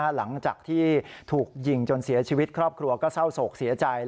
หลังจากที่ถูกยิงจนเสียชีวิตครอบครัวก็เศร้าโศกเสียใจ